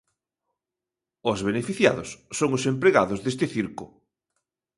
Os beneficiados son os empregados deste circo.